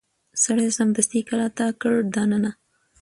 سړي سمدستي کلا ته کړ دننه